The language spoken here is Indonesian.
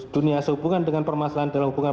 dunia sehubungan dengan permasalahan dalam hubungan